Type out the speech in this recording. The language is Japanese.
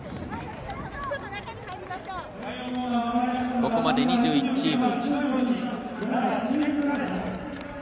ここまで２１チーム。